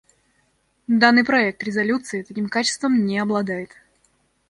Данный проект резолюции таким качеством не обладает.